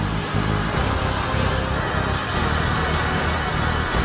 aku bisa membunuhku